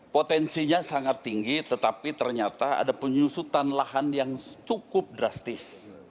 potensinya sangat tinggi tetapi ternyata ada penyusutan lahan yang cukup drastis